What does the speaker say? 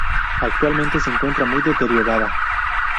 Actualmente se encuentra muy deteriorada.